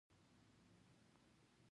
کښت ته مخه کولو نباتي محصولات زیات کړل.